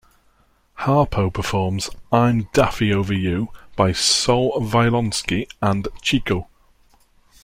Harpo performs "I'm Daffy over You" by Sol Violinsky and Chico.